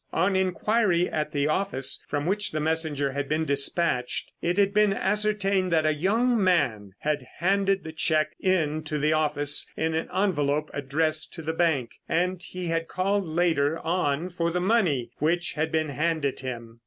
On enquiry at the office from which the messenger had been despatched, it had been ascertained that a young man had handed the cheque in to the office in an envelope addressed to the bank, and he had called later on for the money, which had been handed him.